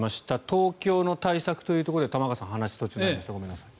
東京の対策というところで玉川さん、話途中になりましたごめんなさい。